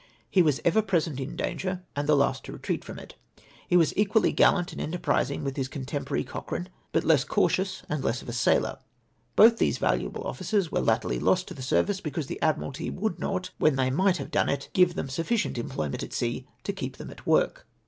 He was ever present in danger, and the last to retreat from it. He Avas equally gallant and enterprising with his contemporary, Cochrane, but less cautious and less of a sailor. Both these valuable officers were latterly lost to the service, because the Admiralty would not, wJien they mif/ht have done it, give them sufficient employment at sea to keep them at work."